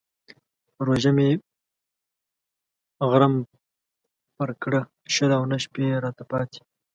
روژه مې غرم پر کړه شل او نهه شپې راته پاتې.